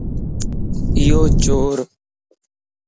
ايو چورَ